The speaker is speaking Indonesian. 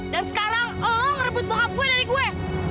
dan sekarang lo ngerebut bokap gue dari gue